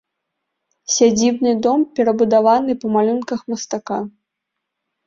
Сядзібны дом перабудаваны па малюнках мастака.